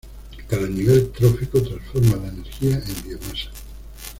Cada nivel trófico transforma la energía en biomasa.